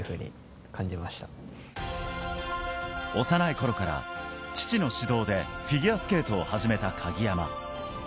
幼い頃から父の指導でフィギュアスケートを始めた鍵山。